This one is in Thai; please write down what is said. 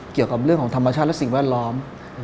เกี่ยวกับเรื่องของธรรมชาติและสิ่งแวดล้อม